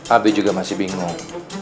abi juga masih bingung